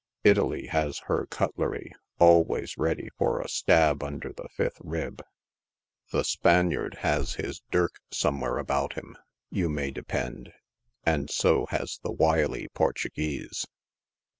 Italy has her "cutlery" always ready for a stab under the filth rib. The Spaniard has his dirk somewhere about him, you may depend, and so has the wily Portuguese.